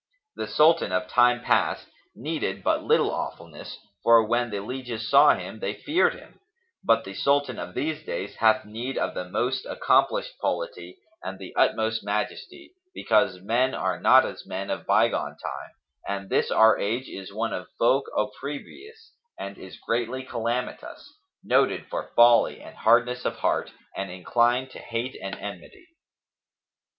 The Sultan of time past needed but little awfulness, for when the lieges saw him, they feared him; but the Sultan of these days hath need of the most accomplished polity and the utmost majesty, because men are not as men of by gone time and this our age is one of folk opprobrious, and is greatly calamitous, noted for folly and hardness of heart and inclined to hate and enmity.